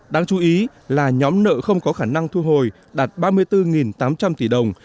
đáng chú ý là nhóm nợ không có khả năng thu hồi đạt ba mươi bốn tám trăm linh tỷ đồng